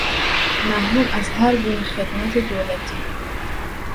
محروم از هر گونه خدمت دولتی